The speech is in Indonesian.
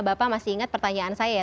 bapak masih ingat pertanyaan saya ya